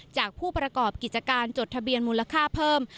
จากผู้ประกอบกิจการจดทะเบียนมูลค่าเพิ่ม